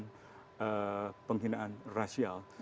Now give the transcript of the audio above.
mereka tidak melakukan penghinaan rasial